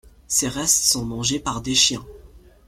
Ses restes sont mangés par des chiens.